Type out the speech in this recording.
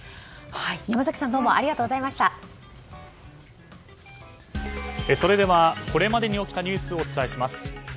山崎さんでは、これまでに起きたニュースをお伝えします。